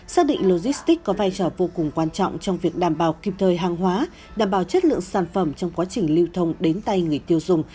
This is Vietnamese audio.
xác định logistics có vai trò vô cùng quan trọng trong việc đảm bảo kịp thời hàng hóa đảm bảo chất lượng sản phẩm trong quá trình lưu thông đến tay người tiêu dùng